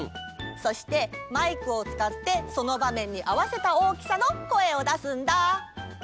そしてマイクをつかってそのばめんにあわせた大きさの声をだすんだ。